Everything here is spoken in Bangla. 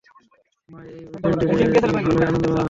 মা, এই উইকেন্ডে তুমি ভালোই আনন্দ পাবে।